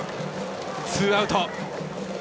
ツーアウト。